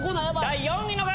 第４位の方！